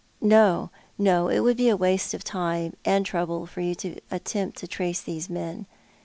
"No, no. It would le waste of time and trouble for you to attempt to trace these men.